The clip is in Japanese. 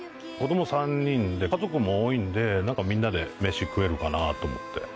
子供３人で家族も多いんで何かみんなで飯食えるかなと思って。